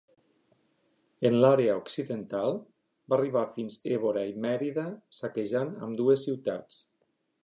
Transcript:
En l'àrea occidental va arribar fins a Évora i Mèrida, saquejant ambdues ciutats.